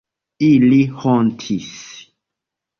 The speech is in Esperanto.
Ili hontis.